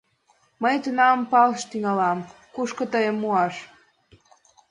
— Мый тунам палш тӱҥалам, кушто тыйым муаш.